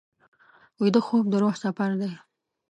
ویده خوب د روح سفر دی